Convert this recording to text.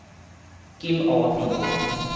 金湖鎮